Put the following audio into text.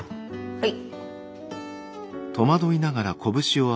はい！